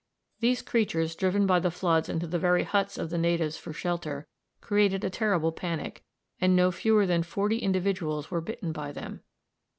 These creatures, driven by the floods into the very huts of the natives for shelter, created a terrible panic, and no fewer than forty individuals were bitten by them.